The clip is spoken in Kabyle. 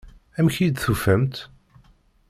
Amek iyi-d-tufamt?